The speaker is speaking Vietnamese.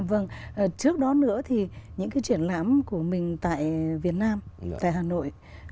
vâng trước đó nữa thì những cái triển lãm của mình tại việt nam tại hà nội